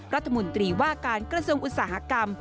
รัฐมนตรีว่าการกระทรวงอุตสาหกรรม